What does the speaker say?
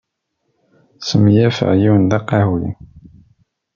Smenyafeɣ yiwen d aqehwi.